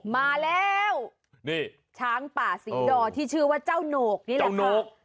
มาแล้วนี่ช้างป่าศรีดอที่ชื่อว่าเจ้าโหนกนี่แหละค่ะ